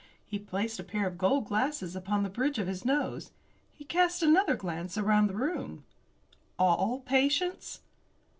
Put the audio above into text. He placed a pair of gold glasses upon the bridge of his nose. He cast another glance around the room. "All patients?"